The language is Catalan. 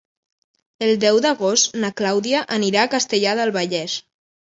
El deu d'agost na Clàudia anirà a Castellar del Vallès.